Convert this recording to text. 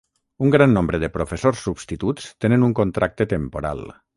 Un gran nombre de professors substituts tenen un contracte temporal.